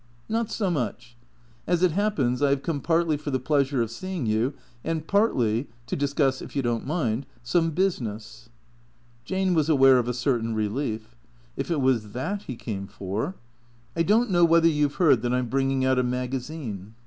Not so much. As it happens, I have come partly for the pleasure of seeing you and partly — to discuss, if you don't mind, some business." Jane was aware of a certain relief. If it was that he came for " I don't know whether you 've heard that I 'm bringing out a magazine